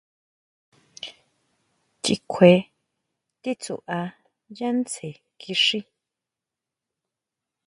Chikjue titsuʼá yá tsjen kixí.